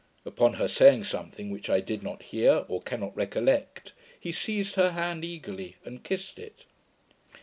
Upon her saying something, which I did not hear, or cannot recollect, he seized her hand eagerly, and kissed it.